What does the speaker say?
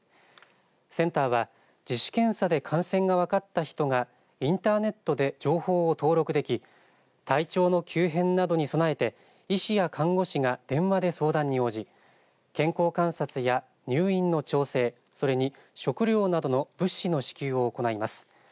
センターは自主検査で感染が分かった人がインターネットで情報を登録でき体調の急変などに備えて医師や看護師が電話で相談に応じ健康観察や入院の調整、それに食料などの物資の支給を行います。